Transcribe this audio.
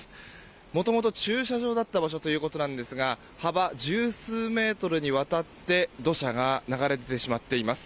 もともと駐車場だった場所ということなんですが幅十数メートルにわたって土砂が流れてしまっています。